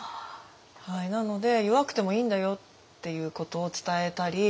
なので弱くてもいいんだよっていうことを伝えたり